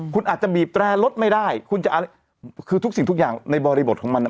คุณอาจจะบีบแตรรถไม่ได้คุณจะคือทุกสิ่งทุกอย่างในบริบทของมันอ่ะ